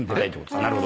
なるほど。